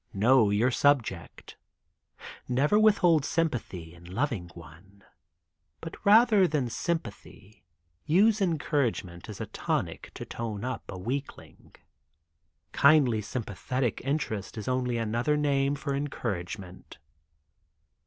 Know your subject. Never withhold sympathy in loving one, but rather than sympathy, use encouragement as a tonic to tone up a weakling. Kindly sympathetic interest is only another name for encouragement.